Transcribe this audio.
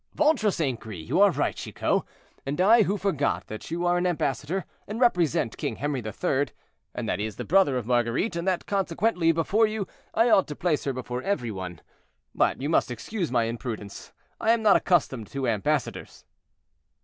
"Ventre St. Gris, you are right, Chicot; and I, who forgot that you are an ambassador, and represent King Henri III., and that he is the brother of Marguerite, and that consequently, before you, I ought to place her before every one—but you must excuse my imprudence, I am not accustomed to ambassadors."